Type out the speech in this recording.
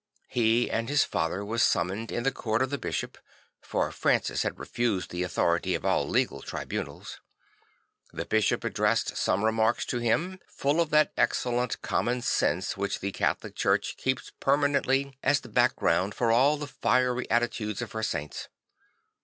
He and his father were sum moned in the court of the bishop; for Francis had refused the authority of all legal tribunals. The bishop addressed some remarks to him, full of that excellent common sense which the Catholic Church keeps permanently as the back Francis the Builder 61 ground for all the fiery attitudes of her saints.